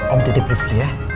om titip rifqi ya